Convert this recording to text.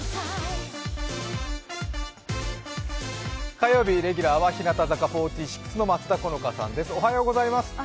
火曜日レギュラーは日向坂４６の松田好花さんです。